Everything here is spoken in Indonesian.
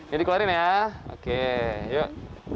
ya dikeluarin ya oke yuk